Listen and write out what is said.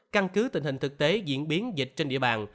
căn cứ tình hình thực tế diễn biến dịch trên địa bàn